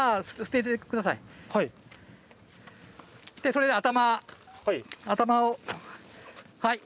それで頭頭をはい。